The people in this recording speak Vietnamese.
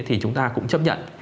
thì chúng ta cũng chấp nhận